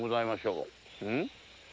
うん？